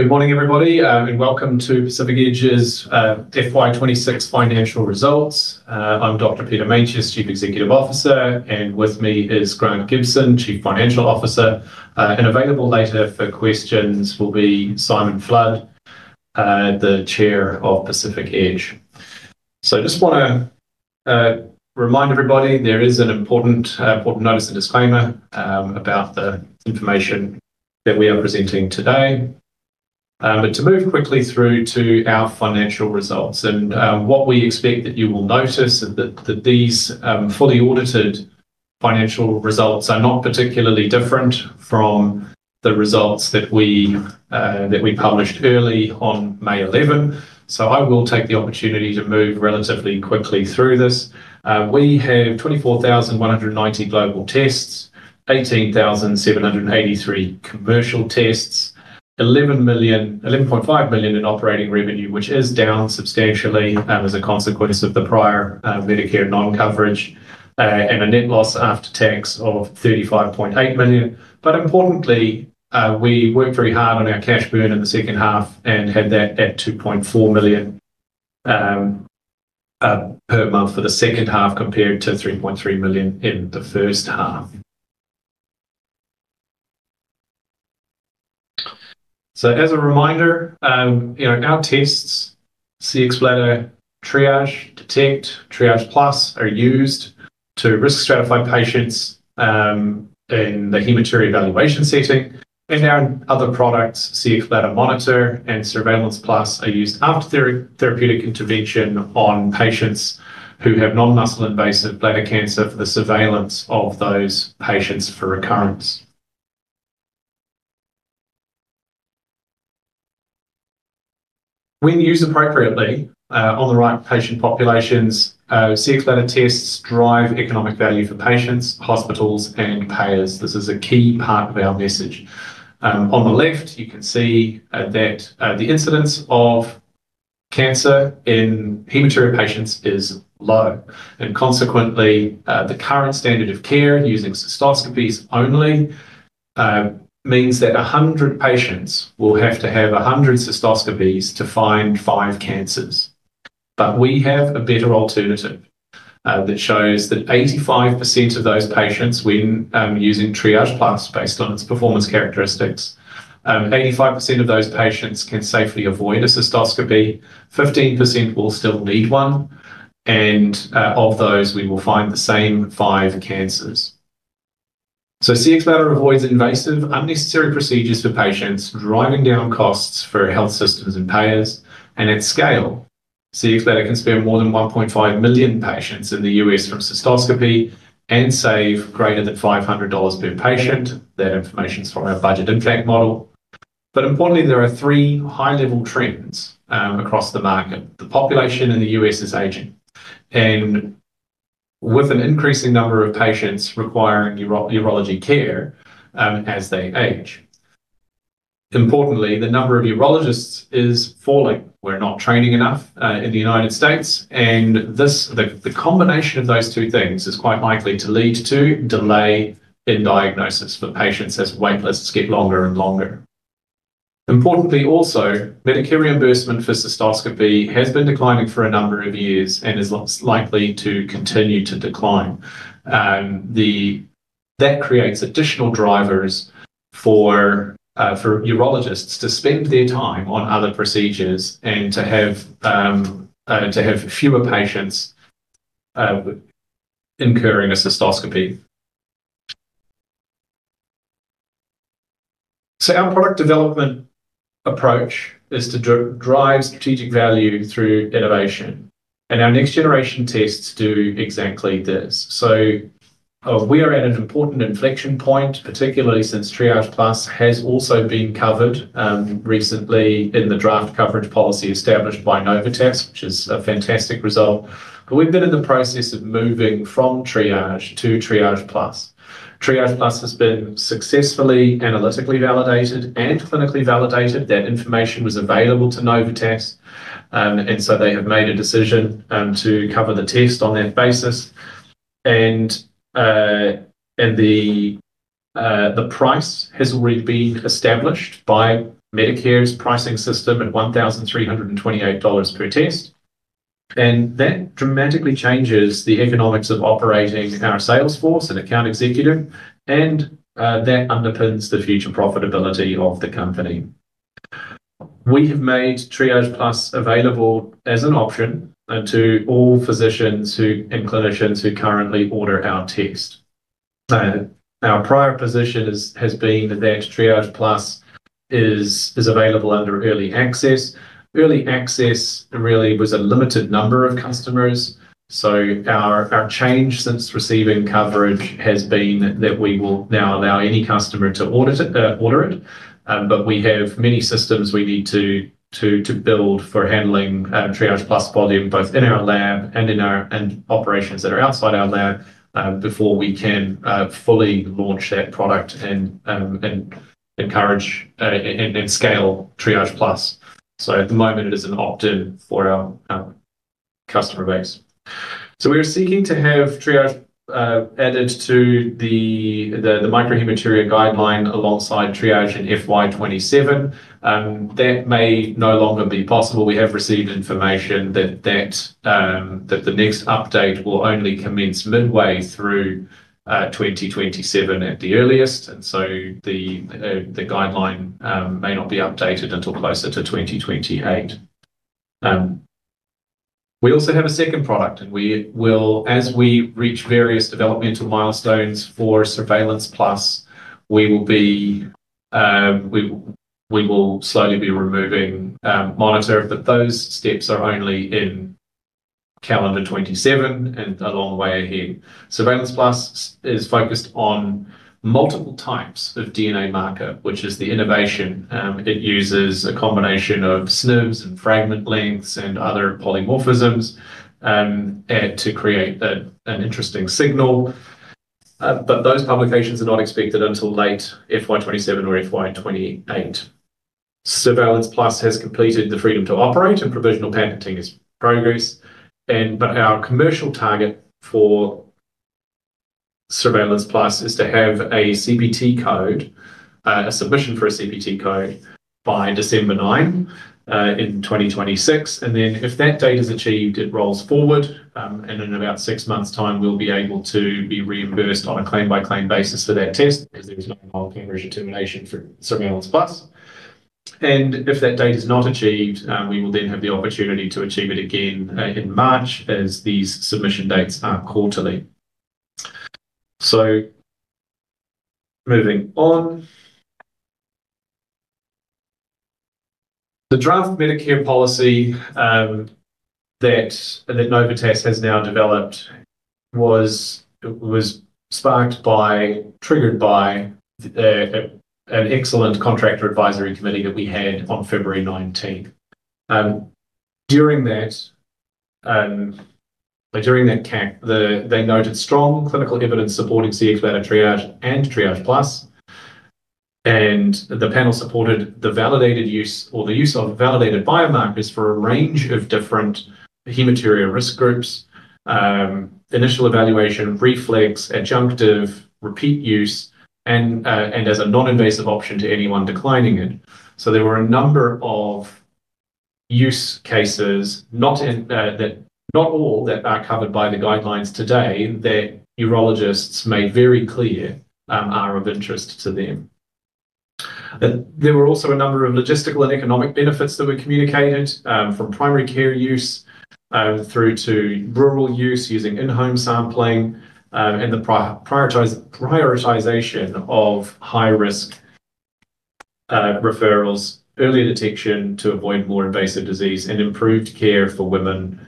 Good morning, everybody. Welcome to Pacific Edge's FY 2026 financial results. I'm Dr. Peter Meintjes, Chief Executive Officer. With me is Grant Gibson, Chief Financial Officer. Available later for questions will be Simon Flood, the Chair of Pacific Edge. Just want to remind everybody, there is an important notice and disclaimer about the information that we are presenting today. To move quickly through to our financial results, what we expect that you will notice that these fully audited financial results are not particularly different from the results that we published early on May 11. I will take the opportunity to move relatively quickly through this. We have 24,190 global tests, 18,783 commercial tests, 11.5 million in operating revenue, which is down substantially as a consequence of the prior Medicare non-coverage, a net loss after tax of 35.8 million. Importantly, we worked very hard on our cash burn in the second half and had that at 2.4 million per month for the second half, compared to 3.3 million in the first half. As a reminder, our tests, Cxbladder Triage, Detect, Triage Plus, are used to risk stratify patients in the hematuria evaluation setting. Our other products, Cxbladder Monitor and Surveillance Plus, are used after therapeutic intervention on patients who have non-muscle invasive bladder cancer for the surveillance of those patients for recurrence. When used appropriately on the right patient populations, Cxbladder tests drive economic value for patients, hospitals, and payers. This is a key part of our message. On the left, you can see that the incidence of cancer in hematuria patients is low, consequently, the current standard of care using cystoscopies only means that 100 patients will have to have 100 cystoscopies to find five cancers. We have a better alternative that shows that 85% of those patients when using Triage Plus based on its performance characteristics, 85% of those patients can safely avoid a cystoscopy, 15% will still need one, and of those, we will find the same five cancers. Cxbladder avoids invasive, unnecessary procedures for patients, driving down costs for health systems and payers. At scale, Cxbladder can spare more than 1.5 million patients in the U.S. from cystoscopy and save greater than $500 per patient. That information is from our budget impact model. Importantly, there are three high-level trends across the market. The population in the U.S. is aging, and with an increasing number of patients requiring urology care as they age. Importantly, the number of urologists is falling. We're not training enough in the United States. The combination of those two things is quite likely to lead to delay in diagnosis for patients as wait lists get longer and longer. Importantly also, Medicare reimbursement for cystoscopy has been declining for a number of years and is likely to continue to decline. That creates additional drivers for urologists to spend their time on other procedures and to have fewer patients incurring a cystoscopy. Our product development approach is to drive strategic value through innovation, and our next-generation tests do exactly this. We are at an important inflection point, particularly since Triage Plus has also been covered recently in the draft coverage policy established by Novitas, which is a fantastic result. We've been in the process of moving from Triage to Triage Plus. Triage Plus has been successfully analytically validated and clinically validated. That information was available to Novitas. They have made a decision to cover the test on that basis. The price has already been established by Medicare's pricing system at $1,328 per test. That dramatically changes the economics of operating our sales force and account executive, and that underpins the future profitability of the company. We have made Triage Plus available as an option to all physicians and clinicians who currently order our test. Our prior position has been that Triage Plus is available under early access. Early access really was a limited number of customers. Our change since receiving coverage has been that we will now allow any customer to order it. We have many systems we need to build for handling Triage Plus volume, both in our lab and operations that are outside our lab, before we can fully launch that product and encourage and scale Triage Plus. At the moment, it is an opt-in for our customer base. We were seeking to have Triage added to the microhematuria guideline alongside Triage in FY 2027. That may no longer be possible. We have received information that the next update will only commence midway through 2027 at the earliest, the guideline may not be updated until closer to 2028. We also have a second product, as we reach various developmental milestones for Surveillance Plus, we will slowly be removing Monitor. Those steps are only in calendar 2027 and a long way ahead. Surveillance Plus is focused on multiple types of DNA marker, which is the innovation. It uses a combination of SNVs and fragment lengths and other polymorphisms to create an interesting signal. Those publications are not expected until late FY 2027 or FY 2028. Surveillance Plus has completed the freedom to operate, and provisional patenting is progress. Our commercial target for Surveillance Plus is to have a CPT code, a submission for a CPT code by December 9 in 2026. If that date is achieved, it rolls forward, and in about six months' time, we'll be able to be reimbursed on a claim-by-claim basis for that test because there is no final coverage determination for Surveillance Plus. If that date is not achieved, we will then have the opportunity to achieve it again in March as these submission dates are quarterly. Moving on. The draft Medicare policy that Novitas has now developed was sparked by, triggered by an excellent contractor advisory committee that we had on February 19th. During that CAC, they noted strong clinical evidence supporting Cxbladder Triage and Triage Plus, and the panel supported the use of validated biomarkers for a range of different hematuria risk groups. Initial evaluation, reflex, adjunctive, repeat use, and as a non-invasive option to anyone declining it. There were a number of use cases, not all that are covered by the guidelines today that urologists made very clear are of interest to them. There were also a number of logistical and economic benefits that were communicated, from primary care use through to rural use using in-home sampling, and the prioritization of high-risk referrals, early detection to avoid more invasive disease, and improved care for women.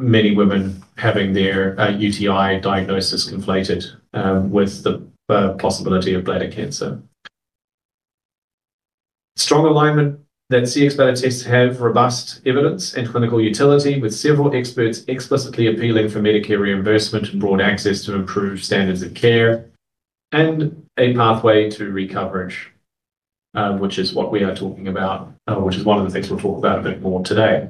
Many women having their UTI diagnosis conflated with the possibility of bladder cancer. Strong alignment that Cxbladder tests have robust evidence and clinical utility, with several experts explicitly appealing for Medicare reimbursement and broad access to improve standards of care, and a pathway to re-coverage, which is one of the things we'll talk about a bit more today.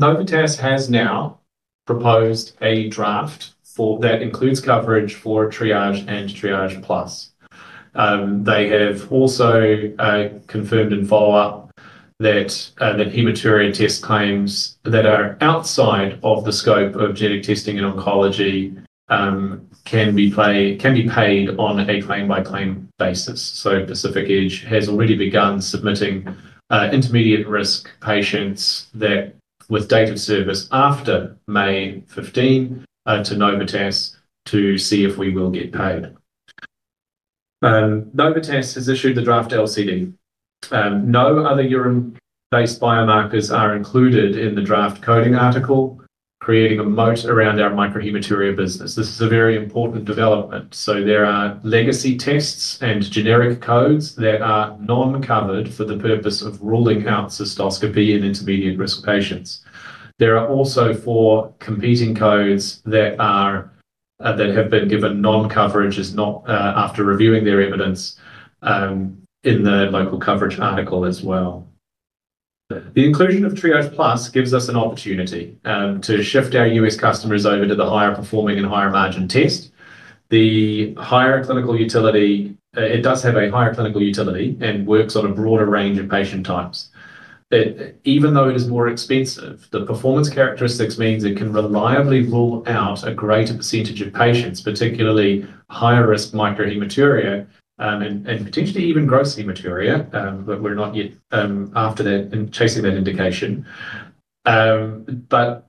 Novitas has now proposed a draft that includes coverage for Triage and Triage Plus. They have also confirmed in follow-up that hematuria test claims that are outside of the scope of genetic testing in oncology can be paid on a claim-by-claim basis. Pacific Edge has already begun submitting intermediate-risk patients with date of service after May 15 to Novitas to see if we will get paid. Novitas has issued the draft LCD. No other urine-based biomarkers are included in the draft coding article, creating a moat around our microhematuria business. This is a very important development. There are legacy tests and generic codes that are non-covered for the purpose of ruling out cystoscopy in intermediate-risk patients. There are also four competing codes that have been given non-coverage after reviewing their evidence in the local coverage article as well. The inclusion of Triage Plus gives us an opportunity to shift our U.S. customers over to the higher-performing and higher-margin test. It does have a higher clinical utility and works on a broader range of patient types. Even though it is more expensive, the performance characteristics means it can reliably rule out a greater percentage of patients, particularly higher-risk microhematuria, and potentially even gross hematuria, but we're not yet after that and chasing that indication. By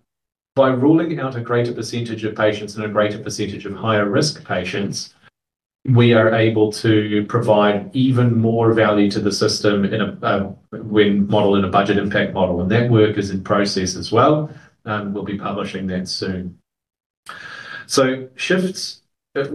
ruling out a greater percentage of patients and a greater percentage of higher-risk patients, we are able to provide even more value to the system when modeled in a budget impact model, and that work is in process as well, and we will be publishing that soon. A 70%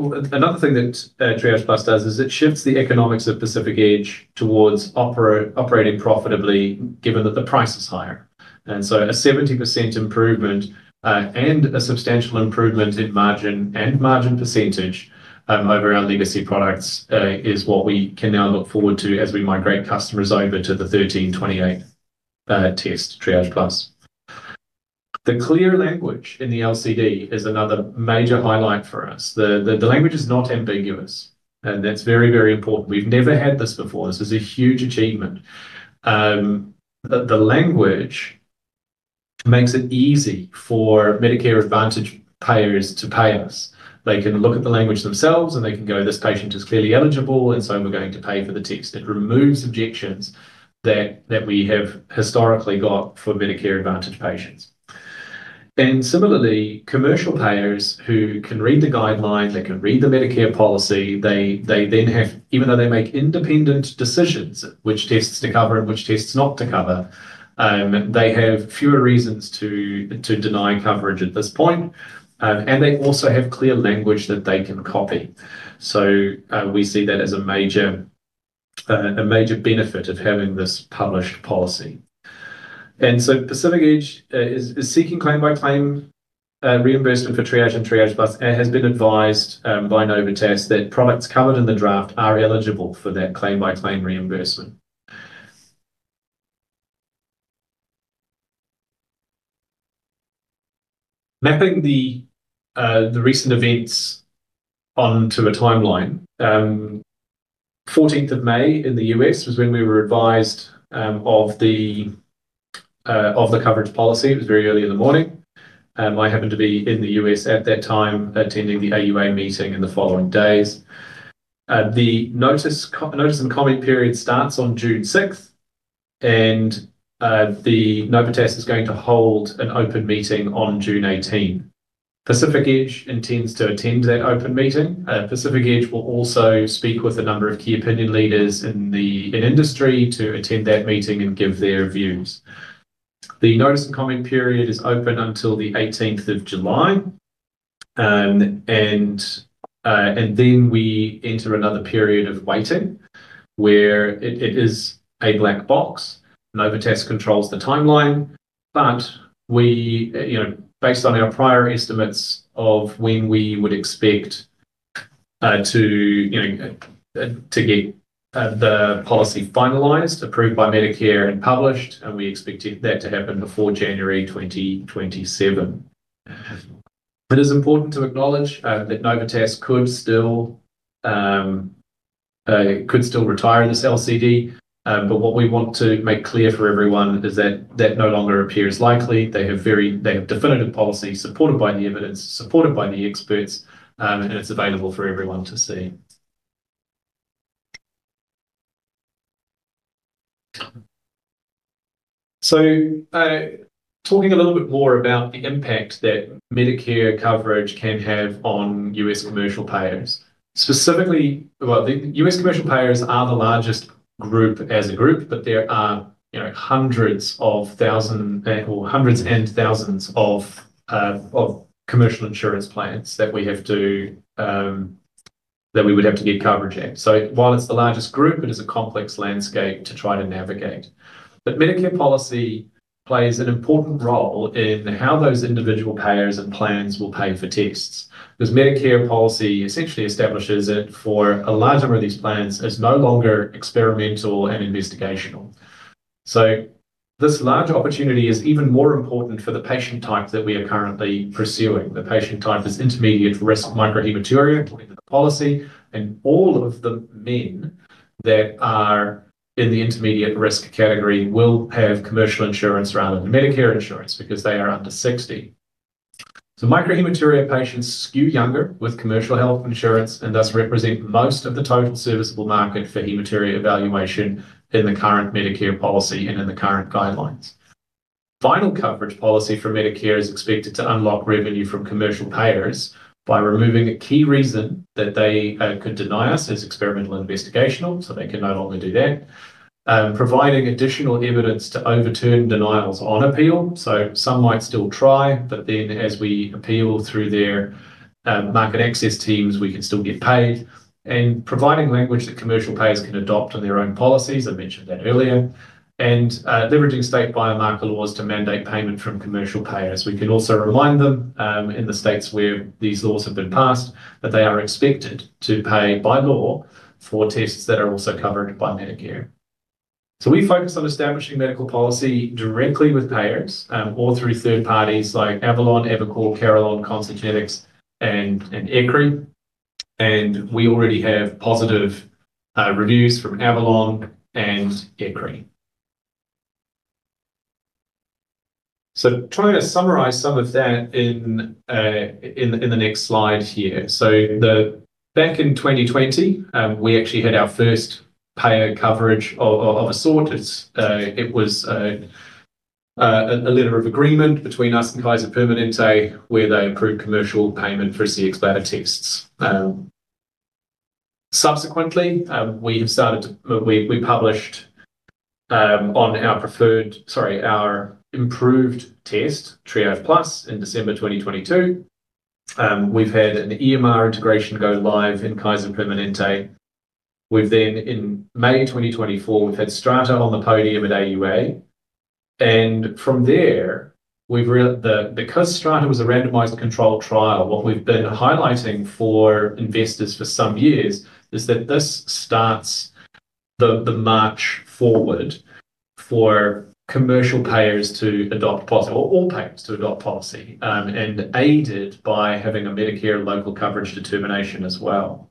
improvement, and a substantial improvement in margin and margin percentage over our legacy products, is what we can now look forward to as we migrate customers over to the $1,328 test, Triage Plus. The clear language in the LCD is another major highlight for us. The language is not ambiguous, and that is very, very important. We have never had this before. This is a huge achievement. The language makes it easy for Medicare Advantage payers to pay us. They can look at the language themselves, they can go, "This patient is clearly eligible, we're going to pay for the test." It removes objections that we have historically got for Medicare Advantage patients. Similarly, commercial payers who can read the guideline, they can read the Medicare policy, even though they make independent decisions which tests to cover and which tests not to cover, they have fewer reasons to deny coverage at this point. They also have clear language that they can copy. We see that as a major benefit of having this published policy. Pacific Edge is seeking claim by claim reimbursement for Triage and Triage Plus, and has been advised by Novitas that products covered in the draft are eligible for that claim-by-claim reimbursement. Mapping the recent events onto a timeline. 14th of May in the U.S. was when we were advised of the coverage policy. It was very early in the morning. I happened to be in the U.S. at that time, attending the AUA meeting in the following days. The notice and comment period starts on June 6th. Novitas is going to hold an open meeting on June 18. Pacific Edge intends to attend that open meeting. Pacific Edge will also speak with a number of key opinion leaders in industry to attend that meeting and give their views. The notice and comment period is open until the 18th of July. Then we enter another period of waiting, where it is a black box. Novitas controls the timeline. Based on our prior estimates of when we would expect to get the policy finalized, approved by Medicare, and published, we expect that to happen before January 2027. It is important to acknowledge that Novitas could still retire this LCD. What we want to make clear for everyone is that no longer appears likely. They have definitive policy supported by the evidence, supported by the experts, and it's available for everyone to see. Talking a little bit more about the impact that Medicare coverage can have on U.S. commercial payers. Specifically, well, the U.S. commercial payers are the largest group as a group, but there are hundreds of thousands of commercial insurance plans that we would have to get coverage in. While it's the largest group, it is a complex landscape to try to navigate. Medicare policy plays an important role in how those individual payers and plans will pay for tests, because Medicare policy essentially establishes it for a large number of these plans as no longer experimental and investigational. This larger opportunity is even more important for the patient type that we are currently pursuing. The patient type is intermediate risk microhematuria according to the policy, and all of the men that are in the intermediate risk category will have commercial insurance rather than Medicare insurance because they are under 60. Microhematuria patients skew younger with commercial health insurance, and thus represent most of the total serviceable market for hematuria evaluation in the current Medicare policy and in the current guidelines. Final coverage policy from Medicare is expected to unlock revenue from commercial payers by removing a key reason that they could deny us as experimental investigational. They can no longer do that. Providing additional evidence to overturn denials on appeal. Some might still try, but then as we appeal through their market access teams, we can still get paid. Providing language that commercial payers can adopt in their own policies, I mentioned that earlier. Leveraging state biomarker laws to mandate payment from commercial payers. We can also remind them, in the states where these laws have been passed, that they are expected to pay by law for tests that are also covered by Medicare. We focus on establishing medical policy directly with payers, or through third parties like Avalon, EviCore, Carelon, Concert Genetics, and ECRI. We already have positive reviews from Avalon and ECRI. Trying to summarize some of that in the next slide here. Back in 2020, we actually had our first payer coverage of a sort. It was a letter of agreement between us and Kaiser Permanente where they approved commercial payment for Cxbladder tests. Subsequently, we published on our preferred, sorry, our improved test, Triage Plus, in December 2022. We've had an EMR integration go live in Kaiser Permanente. We've then, in May 2024, we've had STRATA on the podium at AUA, and from there, because STRATA was a randomized controlled trial, what we've been highlighting for investors for some years is that this starts the march forward for commercial payers to adopt policy or all payers to adopt policy, and aided by having a Medicare local coverage determination as well.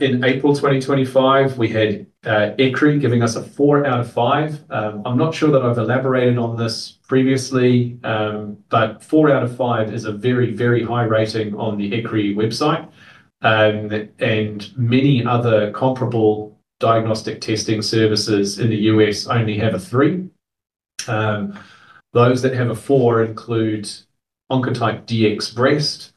In April 2025, we had ECRI giving us a four out of five. I'm not sure that I've elaborated on this previously, but four out of five is a very, very high rating on the ECRI website, and many other comparable diagnostic testing services in the U.S. only have a three. Those that have a four include Oncotype DX Breast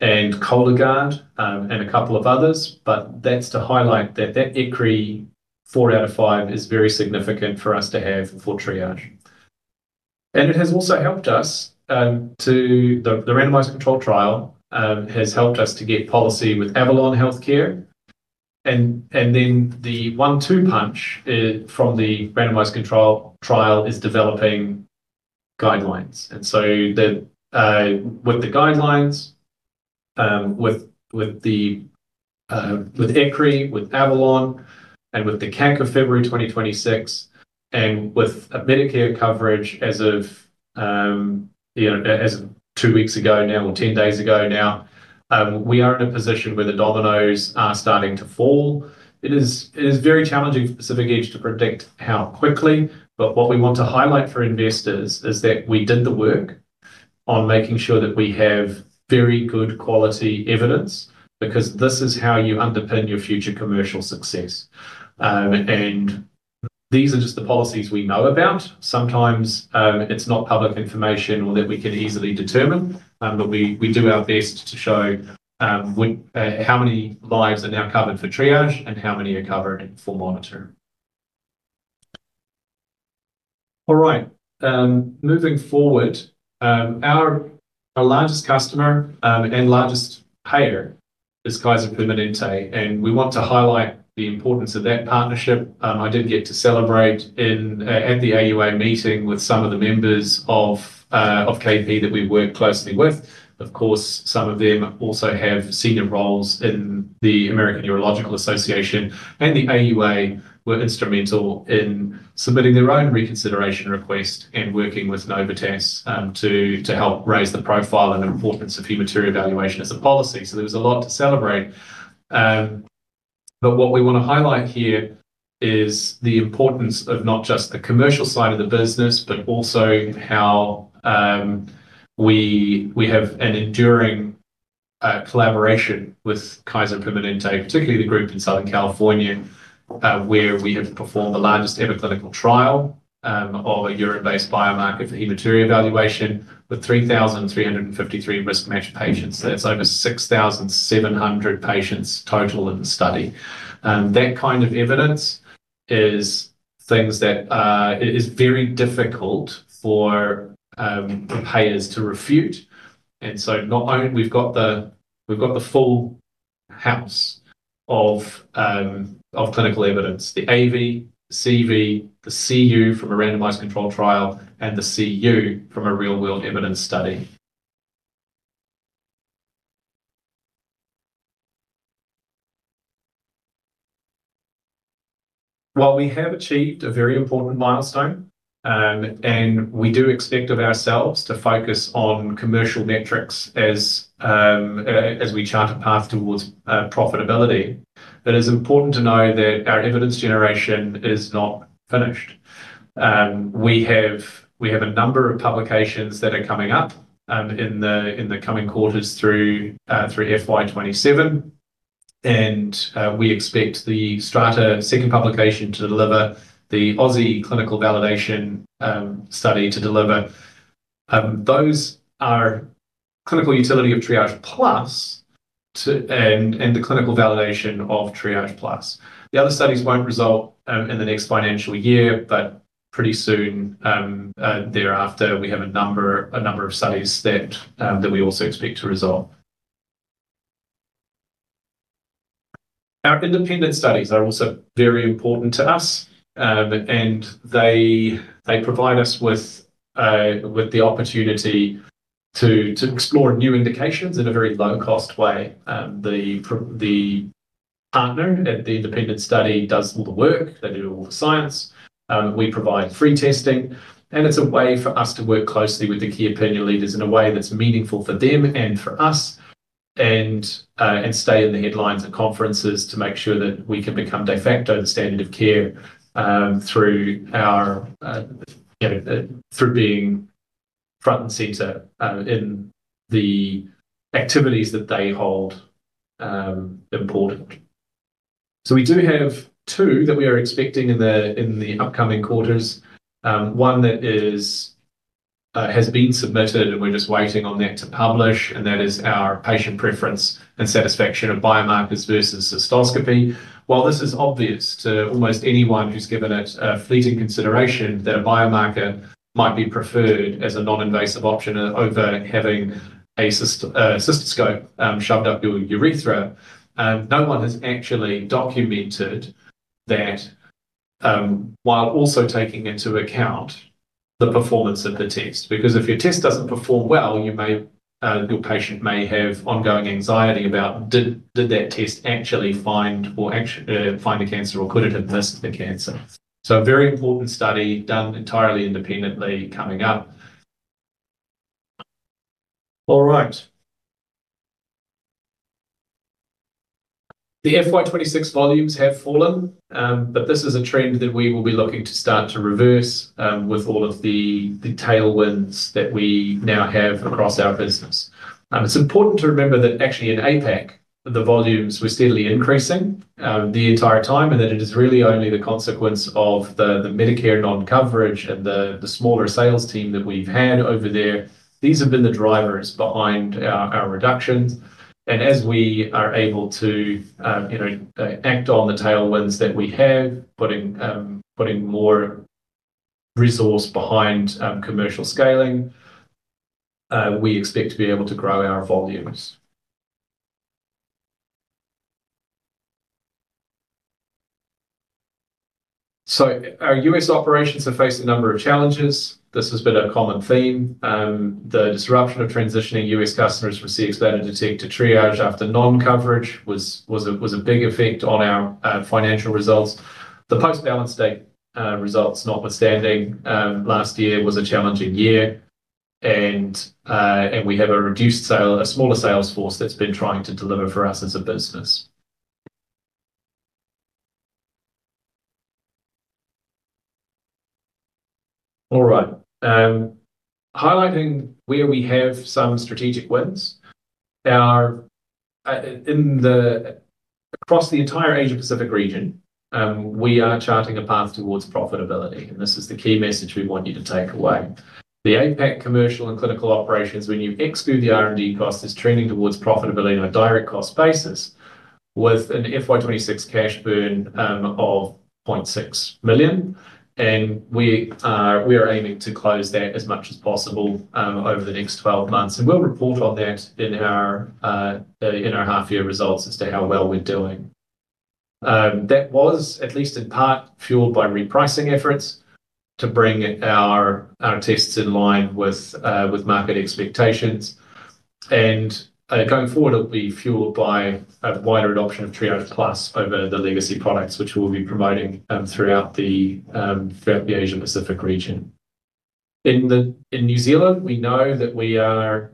and Cologuard, and a couple of others. That's to highlight that that ECRI four out of five is very significant for us to have for Triage. It has also helped us, the randomized controlled trial, has helped us to get policy with Avalon Healthcare, and then the one-two punch from the randomized controlled trial is developing guidelines. With the guidelines, with ECRI, with Avalon, and with the CAC February 2026, and with Medicare coverage as of two weeks ago now or 10 days ago now, we are in a position where the dominoes are starting to fall. It is very challenging for Pacific Edge to predict how quickly, but what we want to highlight for investors is that we did the work on making sure that we have very good quality evidence because this is how you underpin your future commercial success. These are just the policies we know about. Sometimes it's not public information or that we can easily determine, but we do our best to show how many lives are now covered for Triage and how many are covered for Monitor. All right. Moving forward, our largest customer and largest payer is Kaiser Permanente, and we want to highlight the importance of that partnership. I did get to celebrate at the AUA meeting with some of the members of KP that we work closely with. Some of them also have senior roles in the American Urological Association, and the AUA were instrumental in submitting their own reconsideration request and working with Novitas to help raise the profile and importance of hematuria evaluation as a policy. What we want to highlight here is the importance of not just the commercial side of the business, but also how we have an enduring collaboration with Kaiser Permanente, particularly the group in Southern California, where we have performed the largest ever clinical trial of a urine-based biomarker for hematuria evaluation with 3,353 risk match patients. That's over 6,700 patients total in the study. That kind of evidence is things that is very difficult for payers to refute. Not only we've got the full house of clinical evidence. The AV, the CV, the CU from a randomized controlled trial, and the CU from a real world evidence study. While we have achieved a very important milestone, and we do expect of ourselves to focus on commercial metrics as we chart a path towards profitability, it is important to know that our evidence generation is not finished. We have a number of publications that are coming up in the coming quarters through FY 2027, and we expect the STRATA second publication to deliver the AUSSIE clinical validation study to deliver. Those are clinical utility of Triage Plus, and the clinical validation of Triage Plus. The other studies won't result in the next financial year, but pretty soon thereafter, we have a number of studies that we also expect to resolve. Our independent studies are also very important to us, and they provide us with the opportunity to explore new indications in a very low-cost way. The partner at the independent study does all the work. They do all the science. We provide free testing, and it's a way for us to work closely with the key opinion leaders in a way that's meaningful for them and for us, and stay in the headlines at conferences to make sure that we can become de facto the standard of care through being front and center in the activities that they hold important. We do have two that we are expecting in the upcoming quarters. 1 that has been submitted, and we're just waiting on that to publish, and that is our patient preference and satisfaction of biomarkers versus cystoscopy. While this is obvious to almost anyone who's given it a fleeting consideration that a biomarker might be preferred as a non-invasive option over having a cystoscope shoved up your urethra, no one has actually documented that. While also taking into account the performance of the test. If your test doesn't perform well, your patient may have ongoing anxiety about did that test actually find the cancer or could it have missed the cancer? A very important study done entirely independently coming up. All right. The FY 2026 volumes have fallen. This is a trend that we will be looking to start to reverse with all of the tailwinds that we now have across our business. It's important to remember that actually in APAC, the volumes were steadily increasing the entire time, that it is really only the consequence of the Medicare non-coverage and the smaller sales team that we've had over there. These have been the drivers behind our reductions. As we are able to act on the tailwinds that we have, putting more resource behind commercial scaling, we expect to be able to grow our volumes. Our U.S. operations have faced a number of challenges. This has been a common theme. The disruption of transitioning U.S. customers from Cxbladder Detect to Triage after non-coverage was a big effect on our financial results. The post-balance date results notwithstanding, last year was a challenging year, and we have a smaller sales force that's been trying to deliver for us as a business. All right. Highlighting where we have some strategic wins, across the entire Asia-Pacific region, we are charting a path towards profitability, and this is the key message we want you to take away. The APAC commercial and clinical operations, when you exclude the R&D cost, is trending towards profitability on a direct cost basis with an FY 2026 cash burn of 0.6 million. We are aiming to close that as much as possible over the next 12 months. We'll report on that in our half-year results as to how well we're doing. That was at least in part fueled by repricing efforts to bring our tests in line with market expectations. Going forward, it'll be fueled by a wider adoption of Triage Plus over the legacy products which we'll be promoting throughout the Asia-Pacific region. In New Zealand, we know that we're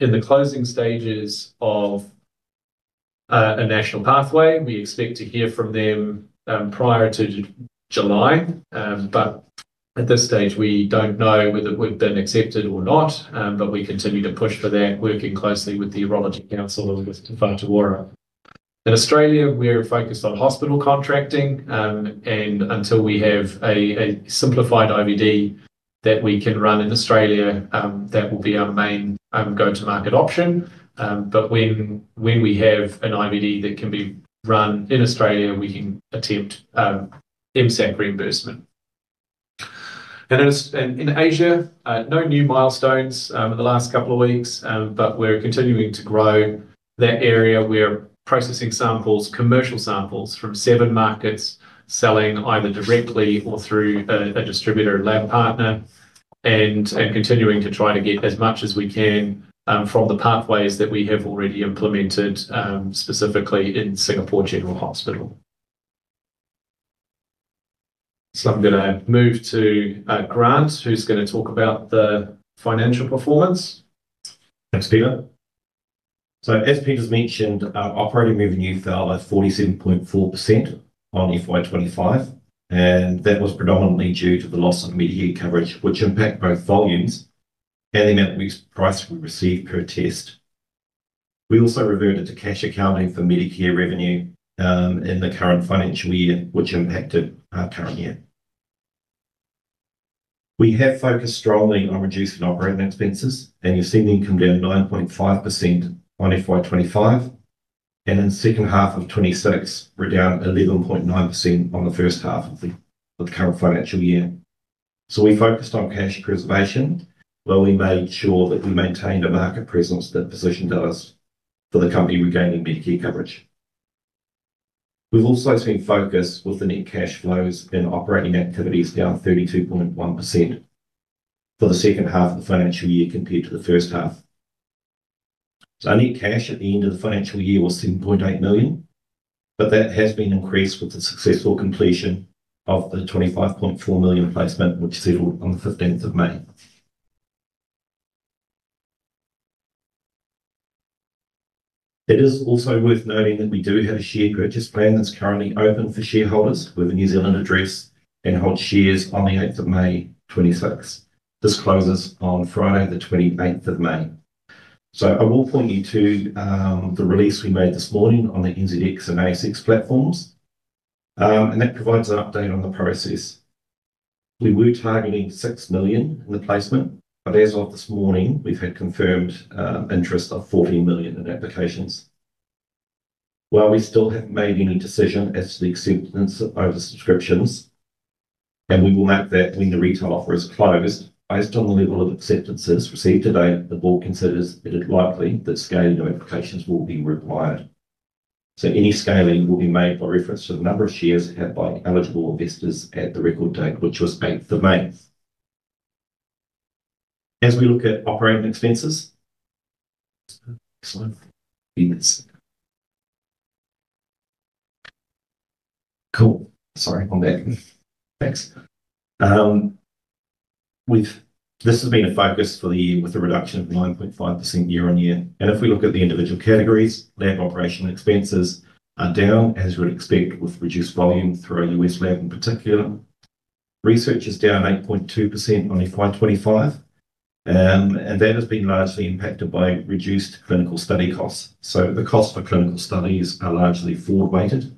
in the closing stages of a national pathway. We expect to hear from them prior to July, but at this stage, we don't know whether we've been accepted or not. We continue to push for that, working closely with the Urology Council and with Te Whatu Ora. In Australia, we're focused on hospital contracting, and until we have a simplified IVD that we can run in Australia, that will be our main go-to-market option. When we have an IVD that can be run in Australia, we can attempt MSAC reimbursement. In Asia, no new milestones in the last couple of weeks, but we're continuing to grow that area. We're processing samples, commercial samples from seven markets, selling either directly or through a distributor lab partner, and continuing to try to get as much as we can from the pathways that we have already implemented, specifically in Singapore General Hospital. I'm going to move to Grant, who's going to talk about the financial performance. Thanks, Peter. As Peter's mentioned, our operating revenue fell by 47.4% on FY 2025. That was predominantly due to the loss of Medicare coverage, which impacted both volumes and the price we received per test. We also reverted to cash accounting for Medicare revenue in the current financial year, which impacted our current year. We have focused strongly on reducing operating expenses. You're seeing income down 9.5% on FY 2025. In second half of 2026, we're down 11.9% on the first half of the current financial year. We focused on cash preservation, where we made sure that we maintained a market presence that positioned us for the company regaining Medicare coverage. We've also seen focus with the net cash flows and operating activities down 32.1% for the second half of the financial year compared to the first half. Net cash at the end of the financial year was 7.8 million. That has been increased with the successful completion of the 25.4 million placement, which settled on the 15th of May. It is also worth noting that we do have a share purchase plan that is currently open for shareholders with a New Zealand address and hold shares on the 8th of May 2026. This closes on Friday the 28th of May. I will point you to the release we made this morning on the NZX and ASX platforms. That provides an update on the process. We were targeting 6 million in the placement. As of this morning, we have had confirmed interest of 14 million in applications. While we still haven't made any decision as to the acceptance of oversubscriptions. We will note that when the retail offer is closed, based on the level of acceptances received to date, the board considers it likely that scaling of applications will be required. Any scaling will be made by reference to the number of shares held by eligible investors at the record date, which was eighth of May. As we look at operating expenses. Next slide, please. Cool, sorry on that. Thanks. This has been a focus for the year with a reduction of 9.5% year-over-year. If we look at the individual categories, lab operational expenses are down, as you would expect, with reduced volume through our U.S. lab in particular. Research is down 8.2% on FY 2025, and that has been largely impacted by reduced clinical study costs. The cost for clinical studies are largely forward-weighted.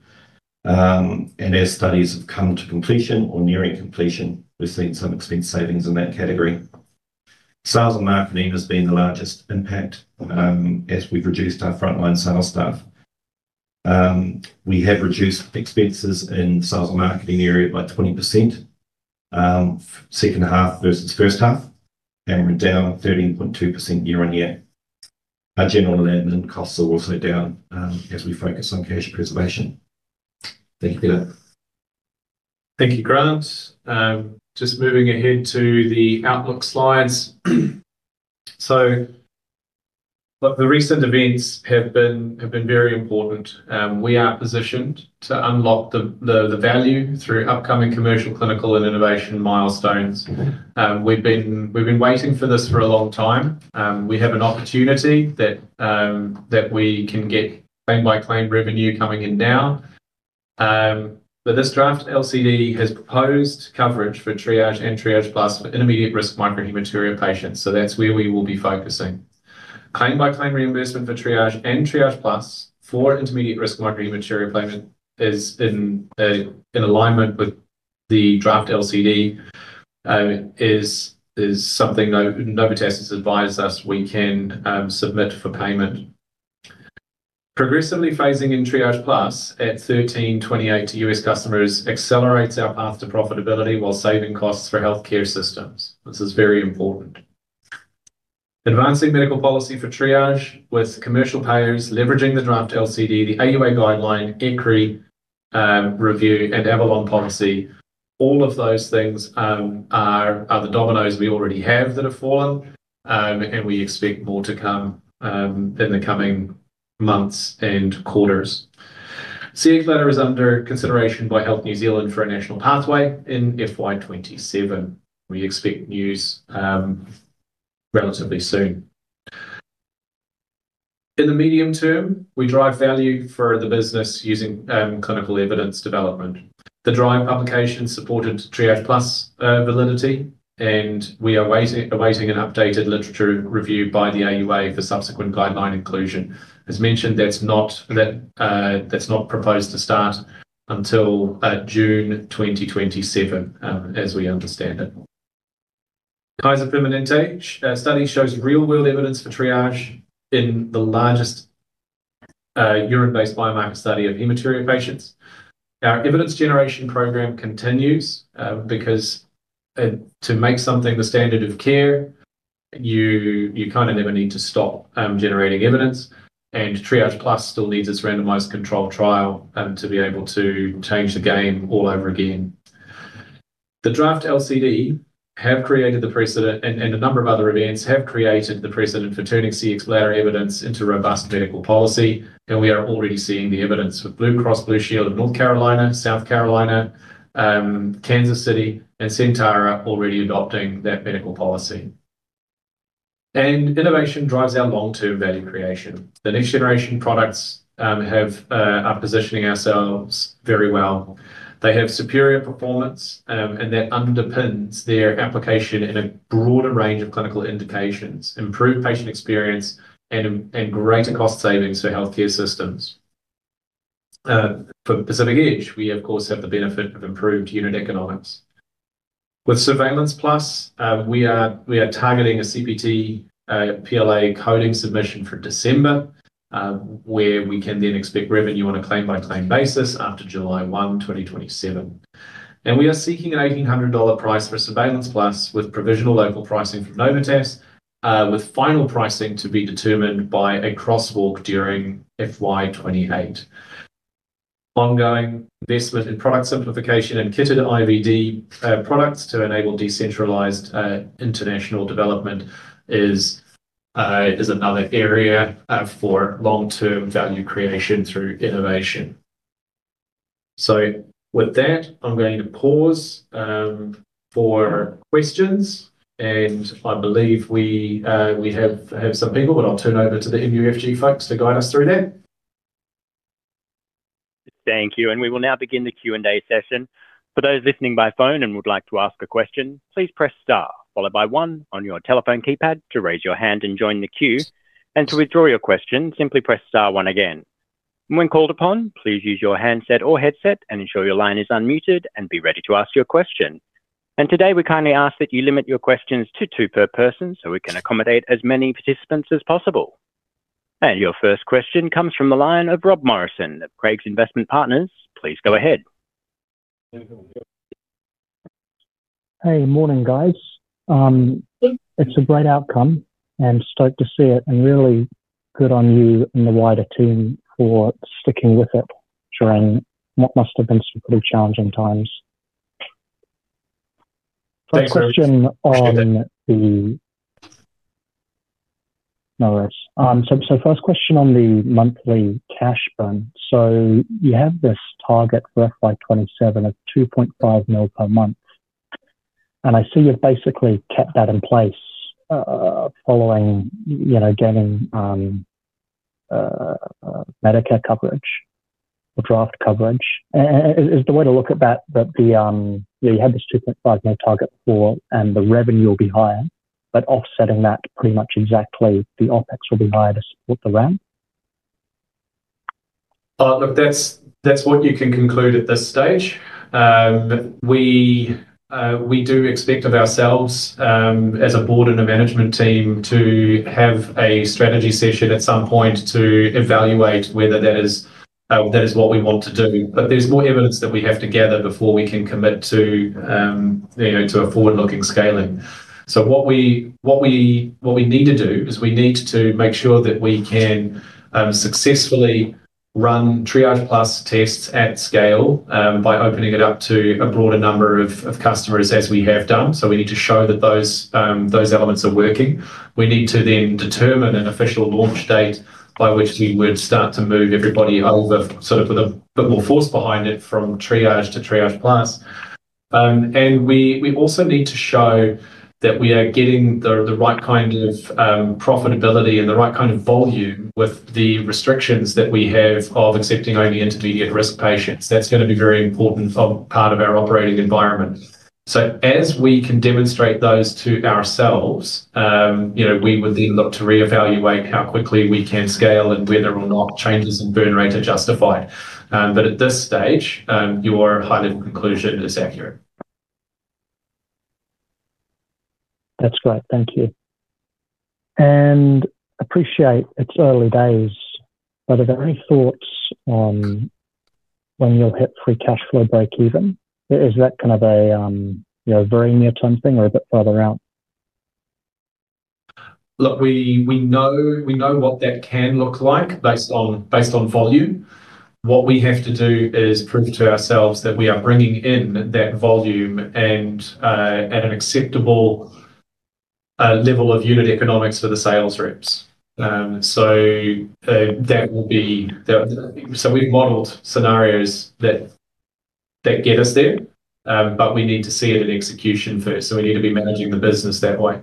As studies have come to completion or nearing completion, we've seen some expense savings in that category. Sales and marketing has been the largest impact, as we've reduced our frontline sales staff. We have reduced expenses in sales and marketing area by 20%, second half versus first half, and we're down 13.2% year-on-year. Our general and admin costs are also down as we focus on cash preservation. Thank you, Peter. Thank you, Grant. Just moving ahead to the outlook slides. The recent events have been very important. We are positioned to unlock the value through upcoming commercial, clinical, and innovation milestones. We've been waiting for this for a long time. We have an opportunity that we can get claim-by-claim revenue coming in now. This draft LCD has proposed coverage for Triage and Triage Plus for intermediate-risk microhematuria patients, so that's where we will be focusing. Claim-by-claim reimbursement for Triage and Triage Plus for intermediate-risk microhematuria payment is in alignment with the draft LCD. It is something Novitas has advised us we can submit for payment. Progressively phasing in Triage Plus at $1,328 to U.S. customers accelerates our path to profitability while saving costs for healthcare systems. This is very important. Advancing medical policy for Triage with commercial payers, leveraging the draft LCD, the AUA Guideline, ECRI, review, and Avalon policy. All of those things are the dominoes we already have that have fallen, and we expect more to come in the coming months and quarters. Cxbladder is under consideration by Health New Zealand for a national pathway in FY 2027. We expect news relatively soon. In the medium term, we drive value for the business using clinical evidence development. The DRIVE publication supported Triage Plus validity. We are awaiting an updated literature review by the AUA for subsequent guideline inclusion. As mentioned, that's not proposed to start until June 2027, as we understand it. Kaiser Permanente study shows real-world evidence for Triage in the largest urine-based biomarker study of hematuria patients. Our evidence generation program continues, because to make something the standard of care, you kind of never need to stop generating evidence. Triage Plus still needs its randomized controlled trial to be able to change the game all over again. The draft LCD and a number of other events have created the precedent for turning Cxbladder evidence into robust medical policy. We are already seeing the evidence with Blue Cross Blue Shield of North Carolina, South Carolina, Kansas City, and Centura already adopting that medical policy. Innovation drives our long-term value creation. The next-generation products are positioning ourselves very well. They have superior performance, and that underpins their application in a broader range of clinical indications, improved patient experience, and greater cost savings for healthcare systems. For Pacific Edge, we of course have the benefit of improved unit economics. With Surveillance Plus, we are targeting a CPT PLA coding submission for December, where we can then expect revenue on a claim-by-claim basis after July 1, 2027. We are seeking an 1,800 dollar price for Surveillance Plus with provisional local pricing from Novitas, with final pricing to be determined by a crosswalk during FY 2028. Ongoing investment in product simplification and kitted IVD products to enable decentralized international development is another area for long-term value creation through innovation. With that, I'm going to pause for questions, and I believe we have some people, but I'll turn over to the MUFG folks to guide us through that. Thank you. We will now begin the Q&A session. For those listening by phone and would like to ask a question, please press star followed by one on your telephone keypad to raise your hand and join the queue. To withdraw your question, simply press star one again. When called upon, please use your handset or headset and ensure your line is unmuted and be ready to ask your question. Today we kindly ask that you limit your questions to two per person so we can accommodate as many participants as possible. Your first question comes from the line of Rob Morrison of Craigs Investment Partners. Please go ahead. Hey morning, guys. It's a great outcome, and stoked to see it, and really good on you and the wider team for sticking with it during what must have been some pretty challenging times. Thanks, Rob. Appreciate it. No worries. First question on the monthly cash burn. You have this target for FY 2027 of 2.5 million per month, and I see you've basically kept that in place, following getting Medicare coverage or draft coverage. Is the way to look at that you have this 2.5 million target for, and the revenue will be higher, but offsetting that pretty much exactly the OpEx will be higher to support the ramp? Look, that's what you can conclude at this stage. We do expect of ourselves, as a board and a management team, to have a strategy session at some point to evaluate whether that is what we want to do. There's more evidence that we have to gather before we can commit to forward-looking scaling. What we need to do is we need to make sure that we can successfully run Triage Plus tests at scale by opening it up to a broader number of customers, as we have done. We need to show that those elements are working. We need to determine an official launch date by which we would start to move everybody over, sort of with a bit more force behind it from Triage to Triage Plus. We also need to show that we are getting the right kind of profitability and the right kind of volume with the restrictions that we have of accepting only intermediate-risk patients. That's going to be very important for part of our operating environment. As we can demonstrate those to ourselves, we would then look to reevaluate how quickly we can scale and whether or not changes in burn rate are justified. At this stage, your high-level conclusion is accurate. That's great. Thank you. Appreciate it's early days, but are there any thoughts on when you'll hit free cash flow breakeven? Is that kind of a very near-term thing or a bit further out? Look, we know what that can look like based on volume. What we have to do is prove to ourselves that we are bringing in that volume and at an acceptable level of unit economics for the sales reps. We've modeled scenarios that get us there, but we need to see it in execution first. We need to be managing the business that way.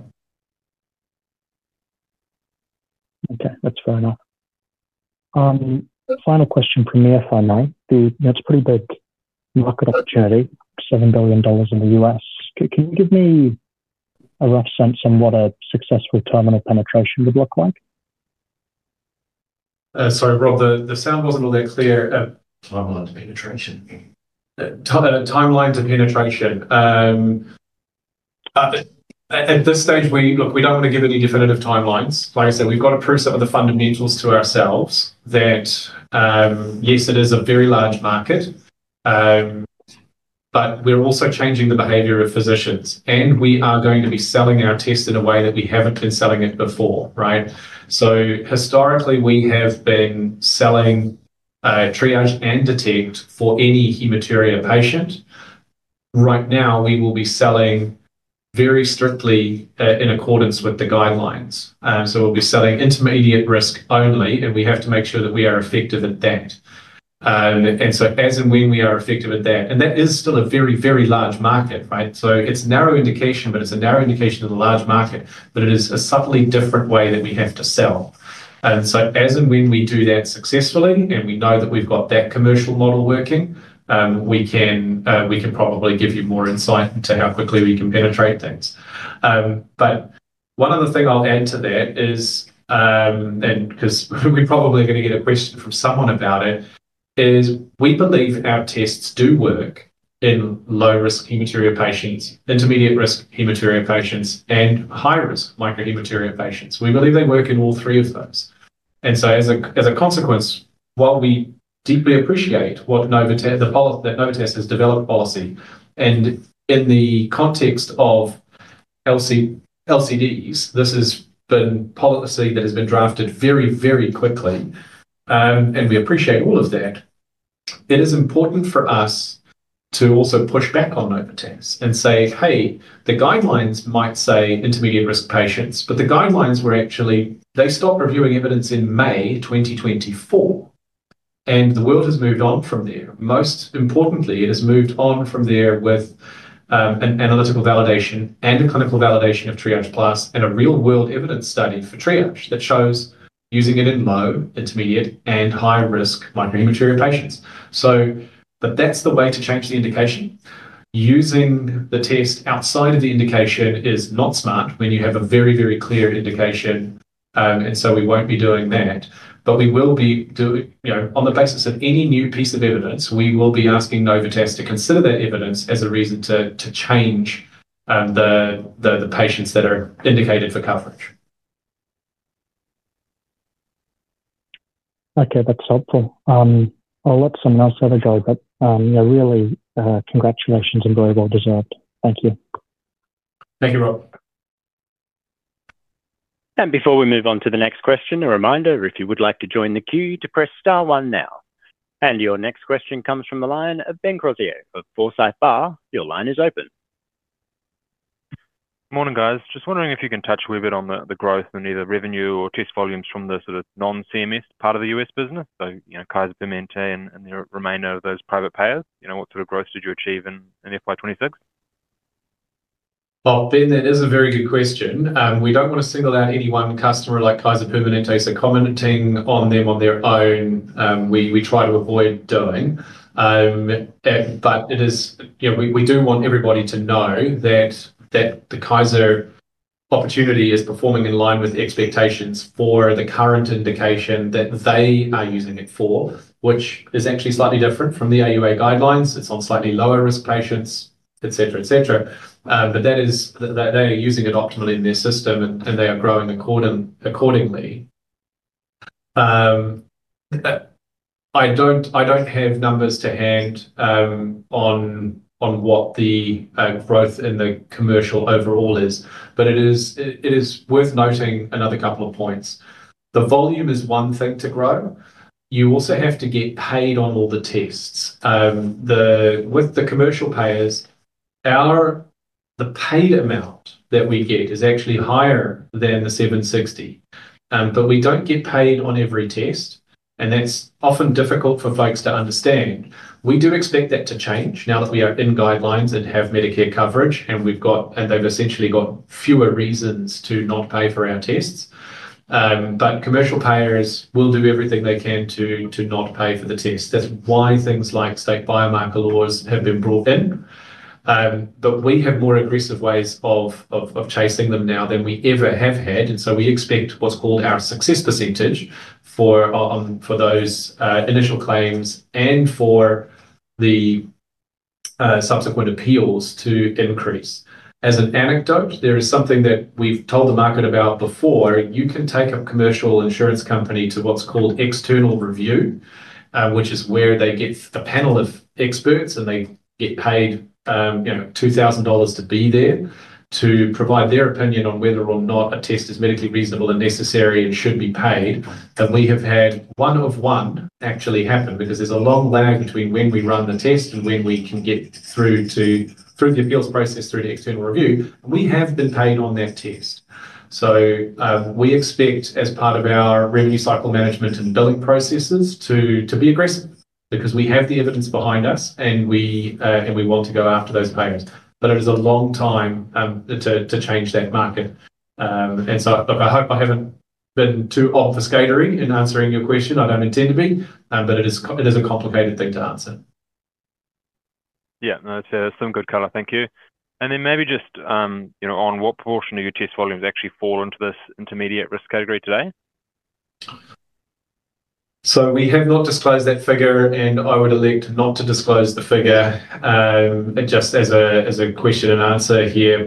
Okay. That's fair enough. Final question from me, if I may. It's a pretty big market opportunity, $7 billion in the U.S. Can you give me a rough sense on what a successful timeline to penetration would look like? Sorry, Rob, the sound wasn't all that clear. Timeline to penetration. Timeline to penetration. At this stage, look, we don't want to give any definitive timelines. Like I said, we've got to prove some of the fundamentals to ourselves that, yes, it is a very large market, but we're also changing the behavior of physicians, and we are going to be selling our test in a way that we haven't been selling it before, right? Historically, we have been selling Triage and Detect for any hematuria patient. Right now, we will be selling very strictly in accordance with the guidelines. We'll be selling intermediate risk only, and we have to make sure that we are effective at that. As and when we are effective at that, and that is still a very large market, right? It's narrow indication, but it's a narrow indication of the large market, but it is a subtly different way that we have to sell. As and when we do that successfully, and we know that we've got that commercial model working, we can probably give you more insight into how quickly we can penetrate things. One other thing I'll add to that is, and because we're probably going to get a question from someone about it, is we believe our tests do work in low-risk hematuria patients, intermediate-risk hematuria patients, and high-risk microhematuria patients. We believe they work in all three of those. As a consequence, while we deeply appreciate that Novitas has developed policy, and in the context of LCDs, this has been policy that has been drafted very quickly, and we appreciate all of that. It is important for us to also push back on Novitas and say, "Hey, the guidelines might say intermediate-risk patients." The guidelines were actually. They stopped reviewing evidence in May 2024, and the world has moved on from there. Most importantly, it has moved on from there with an analytically validated and a clinically validated of Triage Plus and a real-world evidence study for Triage that shows using it in low, intermediate, and high-risk microhematuria patients. That's the way to change the indication. Using the test outside of the indication is not smart when you have a very clear indication, and so we won't be doing that. We will be doing, on the basis of any new piece of evidence, we will be asking Novitas to consider that evidence as a reason to change the patients that are indicated for coverage. Okay, that's helpful. I'll let someone else have a go, but really, congratulations and very well deserved. Thank you. Thank you, Rob. Before we move on to the next question, a reminder, if you would like to join the queue, to press star 1 now. Your next question comes from the line of Ben Crozier of Forsyth Barr. Your line is open. Morning, guys. Wondering if you can touch a wee bit on the growth in either revenue or test volumes from the sort of non-CMS part of the U.S. business. Kaiser Permanente and the remainder of those private payers. What sort of growth did you achieve in FY 2026? Well, Ben, that is a very good question. We don't want to single out any one customer like Kaiser Permanente, so commenting on them on their own, we try to avoid doing. We do want everybody to know that the Kaiser opportunity is performing in line with expectations for the current indication that they are using it for, which is actually slightly different from the AUA guidelines. It's on slightly lower risk patients, et cetera. They are using it optimally in their system, and they are growing accordingly. I don't have numbers to hand on what the growth in the commercial overall is, but it is worth noting another couple of points. The volume is one thing to grow. You also have to get paid on all the tests. With the commercial payers, the paid amount that we get is actually higher than 760. We don't get paid on every test, and that's often difficult for folks to understand. We do expect that to change now that we are in guidelines and have Medicare coverage. They've essentially got fewer reasons to not pay for our tests. Commercial payers will do everything they can to not pay for the test. That's why things like state biomarker laws have been brought in. We have more aggressive ways of chasing them now than we ever have had. We expect what's called our success percentage for those initial claims and for the subsequent appeals to increase. As an anecdote, there is something that we've told the market about before. You can take a commercial insurance company to what's called external review, which is where they get a panel of experts, and they get paid $2,000 to be there to provide their opinion on whether or not a test is medically reasonable and necessary and should be paid. We have had one of one actually happen because there's a long lag between when we run the test and when we can get through the appeals process, through to external review. We have been paid on that test. We expect, as part of our revenue cycle management and billing processes, to be aggressive because we have the evidence behind us, and we want to go after those payments. It is a long time to change that market. Look, I hope I haven't been too obfuscatory in answering your question. I don't intend to be. It is a complicated thing to answer. Yeah. No, that's some good color. Thank you. Maybe just on what proportion of your test volumes actually fall into this intermediate risk category today? We have not disclosed that figure, and I would elect not to disclose the figure just as a Q&A here.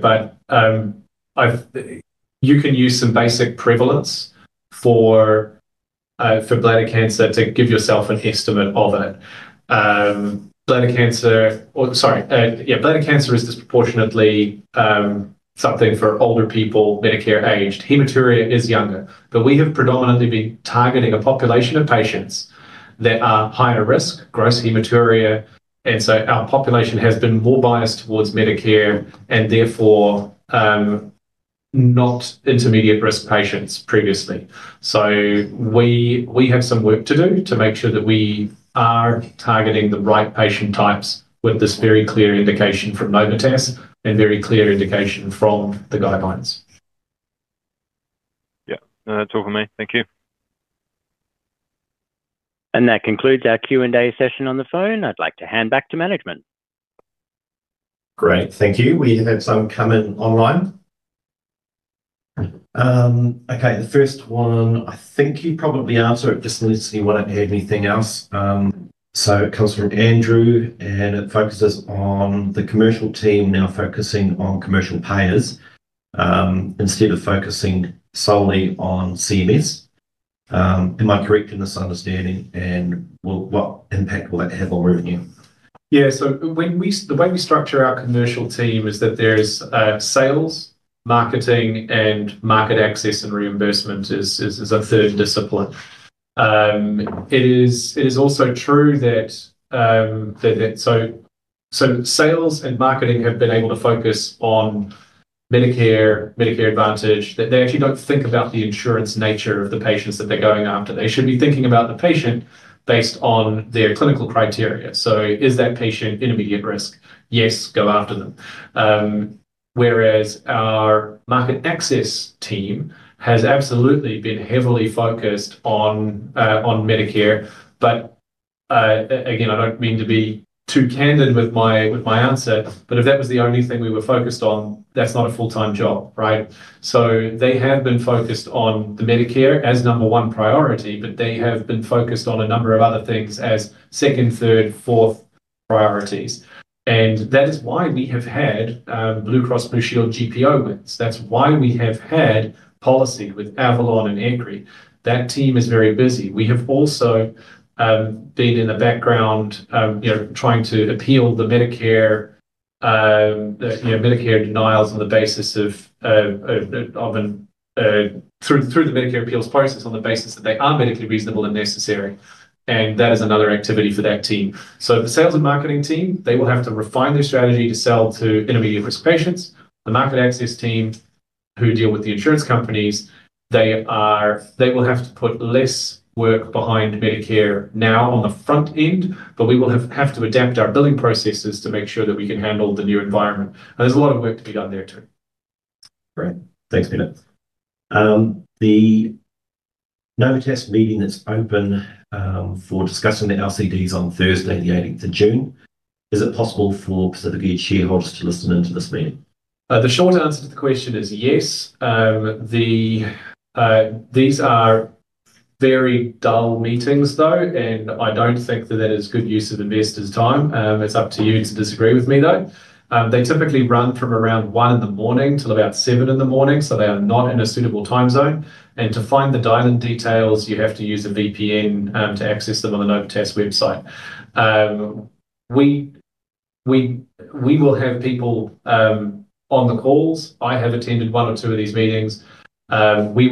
You can use some basic prevalence for bladder cancer to give yourself an estimate of it. Bladder cancer is disproportionately something for older people, Medicare-aged. Hematuria is younger, but we have predominantly been targeting a population of patients that are higher risk, gross hematuria, and so our population has been more biased towards Medicare and therefore not intermediate risk patients previously. We have some work to do to make sure that we are targeting the right patient types with this very clear indication from MolDX and very clear indication from the guidelines. Yeah. No, that's all from me. Thank you. That concludes our Q&A session on the phone. I'd like to hand back to management. Great. Thank you. We have some come in online. Okay. The first one, I think you probably answered it, just wanted to see whether you had anything else. It comes from Andrew, and it focuses on the commercial team now focusing on commercial payers instead of focusing solely on CMS. Am I correct in this understanding, and what impact will that have on revenue? The way we structure our commercial team is that there is sales, marketing, and market access, and reimbursement is a third discipline. It is also true that sales and marketing have been able to focus on Medicare Advantage, that they actually do not think about the insurance nature of the patients that they are going after. They should be thinking about the patient based on their clinical criteria. Is that patient intermediate risk? Yes, go after them. Whereas our market access team has absolutely been heavily focused on Medicare. But again, I do not mean to be too candid with my answer, but if that was the only thing we were focused on, that is not a full-time job, right? They have been focused on the Medicare as number one priority, but they have been focused on a number of other things as second, third, fourth priorities. That is why we have had Blue Cross Blue Shield GPO wins. That's why we have had policy with Avalon and Anthem. That team is very busy. We have also been in the background trying to appeal the Medicare denials through the Medicare appeals process on the basis that they are medically reasonable and necessary, and that is another activity for that team. The sales and marketing team, they will have to refine their strategy to sell to intermediate-risk patients. The market access team, who deal with the insurance companies, they will have to put less work behind Medicare now on the front end, we will have to adapt our billing processes to make sure that we can handle the new environment. There's a lot of work to be done there too. Great. Thanks, Peter. The Novitas meeting that is open for discussing the LCDs on Thursday the 18th of June, is it possible for Pacific Edge shareholders to listen in to this meeting? The short answer to the question is yes. These are very dull meetings, though, and I don't think that that is good use of investors' time. It's up to you to disagree with me, though. They typically run from around 1:00 a.m. until about 7:00 a.m., so they are not in a suitable time zone. To find the dial-in details, you have to use a VPN to access them on the Novitas website. We will have people on the calls. I have attended one or two of these meetings. We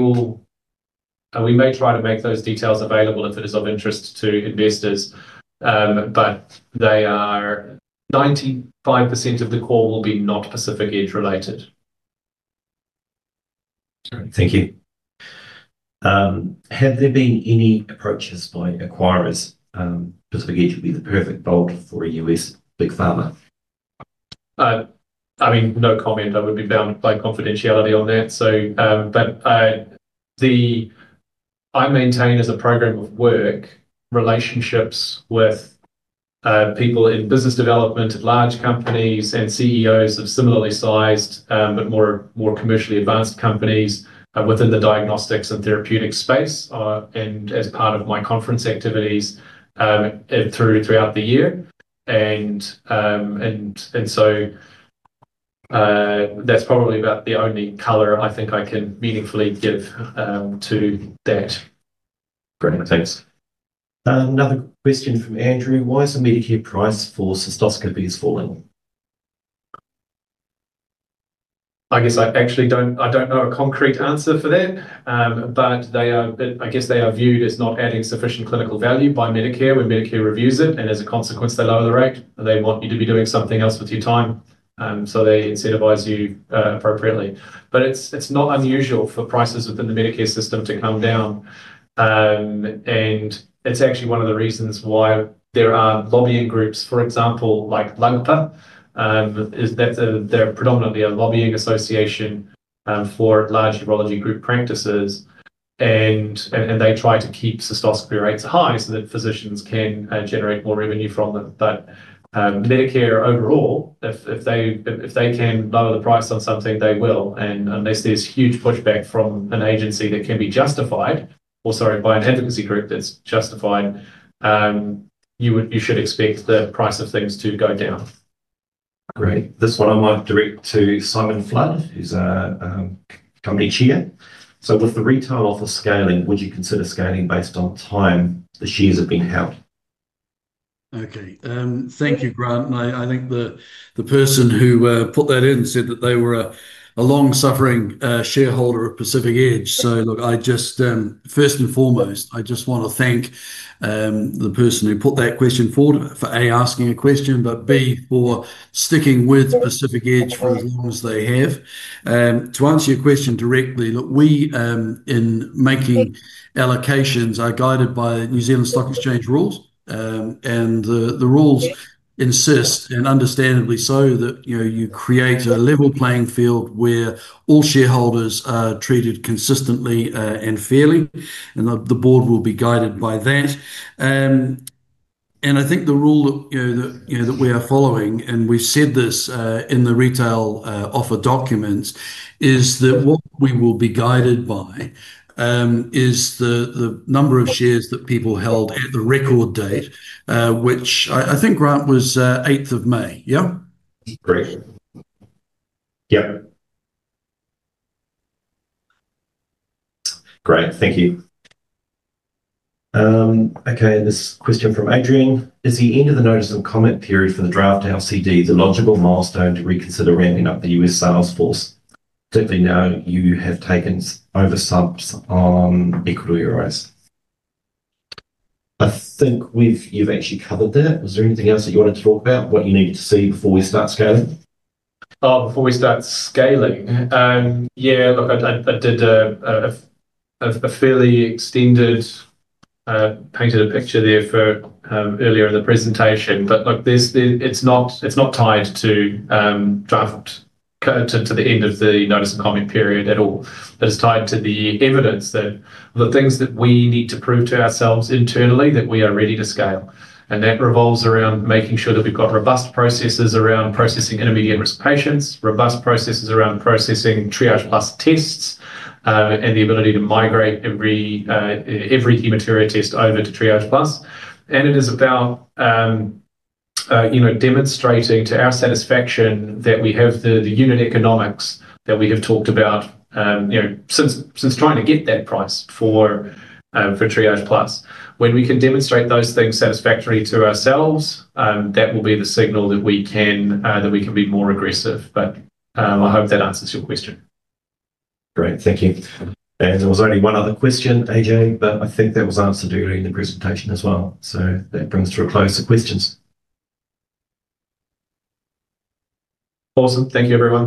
may try to make those details available if it is of interest to investors. 95% of the call will be not Pacific Edge related. All right. Thank you. Have there been any approaches by acquirers? Pacific Edge would be the perfect bolt for a U.S. big pharma. No comment. I would be bound by confidentiality on that. I maintain, as a program of work, relationships with people in business development at large companies and CEOs of similarly sized but more commercially advanced companies within the diagnostics and therapeutics space and as part of my conference activities throughout the year. That's probably about the only color I think I can meaningfully give to that. Great. Thanks. Another question from Andrew: Why is the Medicare price for cystoscopy falling? I guess I don't know a concrete answer for that, but I guess they are viewed as not adding sufficient clinical value by Medicare when Medicare reviews it, and as a consequence, they lower the rate. They want you to be doing something else with your time, so they incentivize you appropriately. It's not unusual for prices within the Medicare system to come down. It's actually one of the reasons why there are lobbying groups, for example, like LUGPA. They're predominantly a lobbying association for large urology group practices. They try to keep cystoscopy rates high so that physicians can generate more revenue from them. Medicare, overall, if they can lower the price on something, they will. Unless there's huge pushback from an agency that can be justified, or sorry, by an advocacy group that's justified, you should expect the price of things to go down. Great. This one I might direct to Simon Flood, who's our company chair. With the retail offer scaling, would you consider scaling based on time the shares have been held? Thank you, Grant, I think the person who put that in said that they were a long-suffering shareholder of Pacific Edge, so look, first and foremost, I just want to thank the person who put that question forward for, A, asking a question, but B, for sticking with Pacific Edge for as long as they have. To answer your question directly, look, we, in making allocations, are guided by New Zealand Stock Exchange rules. The rules insist, and understandably so, that you create a level playing field where all shareholders are treated consistently and fairly, and the board will be guided by that. I think the rule that we are following, and we've said this in the retail offer documents, is that what we will be guided by is the number of shares that people held at the record date, which I think, Grant, was 8th of May. Yeah? Great. Yeah. Great. Thank you. Okay, this question from Adrian. Is the end of the notice and comment period for the draft LCD the logical milestone to reconsider ramping up the U.S. sales force, particularly now you have taken over subs on equity raise? I think you've actually covered that. Was there anything else that you wanted to talk about, what you need to see before we start scaling? Before we start scaling. Look, I did a fairly extended, painted a picture there earlier in the presentation. Look, it's not tied to the end of the notice and comment period at all. It is tied to the evidence that the things that we need to prove to ourselves internally that we are ready to scale. That revolves around making sure that we've got robust processes around processing intermediate-risk patients, robust processes around processing Triage Plus tests, and the ability to migrate every hematuria test over to Triage Plus. It is about demonstrating to our satisfaction that we have the unit economics that we have talked about since trying to get that price for Triage Plus. When we can demonstrate those things satisfactory to ourselves, that will be the signal that we can be more aggressive. I hope that answers your question. Great. Thank you. There was only one other question, AJ, but I think that was answered earlier in the presentation as well. That brings to a close the questions. Awesome. Thank you everyone.